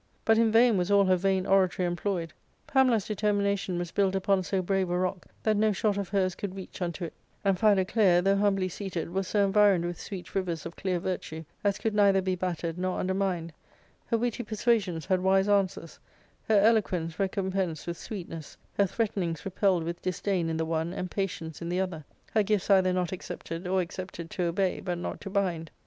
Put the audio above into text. But in vain was all her vain oratory employed. Pamela's determination was built upon so brave a rock that no shot of hers could reach unto it ; and Philoclea, though humbly seated, was so environed with sweet rivers of clear virtue as could neither be battered nor undermined : her witty persua sions had wise answers ; her eloquence recompensed with sweetness ; her threatenings repelled with disdain in the one and patience in the other ; her gifts either not accepted, or accepted to obey, but not to bind.